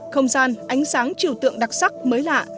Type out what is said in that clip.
không gian ánh sáng chiều tượng đặc sắc mới lạ